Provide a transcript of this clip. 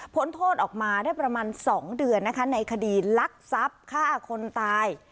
โทษออกมาได้ประมาณ๒เดือนนะคะในคดีลักทรัพย์ฆ่าคนตาย